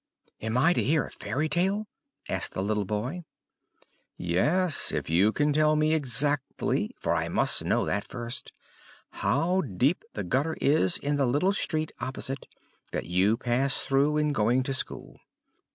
"Am I to hear a fairy tale?" asked the little boy. "Yes, if you can tell me exactly for I must know that first how deep the gutter is in the little street opposite, that you pass through in going to school."